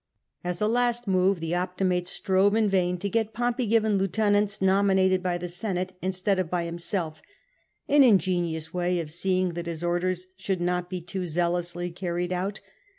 As a last move the Optimates strove in vain to get Pompey given lieutenants nominated by the Senate instead of by himself — an ingenious way of seeing that his orders should not be too zealously carried out.